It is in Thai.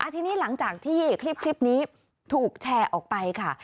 ทีนี้หลังจากที่คลิปนี้ถูกแชร์ออกไปค่ะ